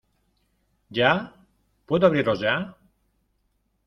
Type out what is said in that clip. ¿ ya? ¿ puedo abrirlos ya ?